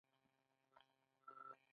ما د نیمګړتیاوو سمولو ته پام وکړ.